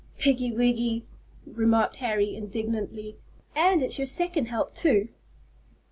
"Piggy wiggy," remarked Harry, indignantly; "and it's your second help too!"